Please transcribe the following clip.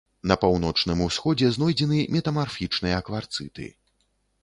На паўночным усходзе знойдзены метамарфічныя кварцыты.